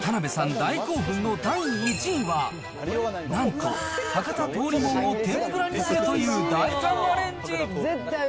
大興奮の第１位は、なんと、博多通りもんを天ぷらにするという大胆アレンジ。